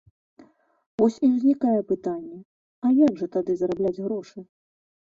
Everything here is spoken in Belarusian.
Вось і ўзнікае пытанне, а як жа тады зарабляць грошы?